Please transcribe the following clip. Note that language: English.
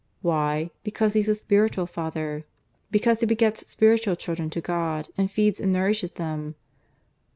Why? Because he's a spiritual father; because he begets spiritual children to God, and feeds and nourishes them.